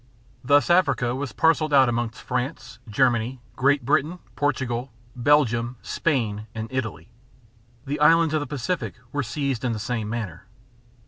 Thus Africa was parceled out among France, Germany, Great Britain, Portugal, Belgium, Spain, and Italy. The islands of the Pacific were seized in the same manner.